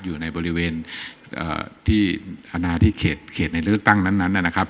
อยู่ในบริเวณที่อนาที่เขตในเลือกตั้งนั้นนะครับ